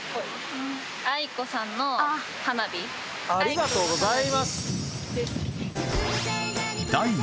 ありがとうございます。